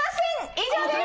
以上です。